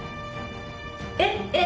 「えっ？えっ？」